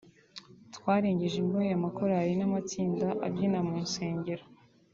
twarengeje ingohe amakorali n’amatsinda abyina mu nsengero